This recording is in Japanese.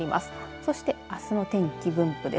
そして、あすの天気分布です。